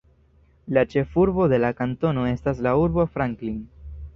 La ĉefurbo de la kantono estas la urbo Franklin.